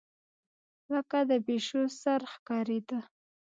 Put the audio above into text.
لکه د پيشو سر ښکارېدۀ